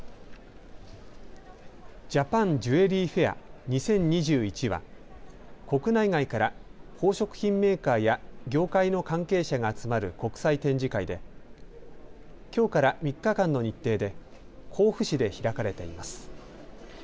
ジャパンジュエリーフェア２０２１は国内外から、宝飾品メーカーや業界の関係者が集まる国際展示会できょうから３日間の日程で甲府市で開かれています。